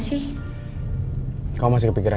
sekarang biar aku nyetir oke